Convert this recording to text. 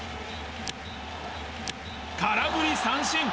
空振り三振！